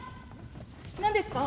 何ですか？